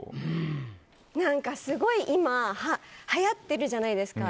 すごい今はやってるじゃないですか。